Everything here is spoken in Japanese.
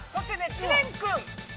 ◆知念君。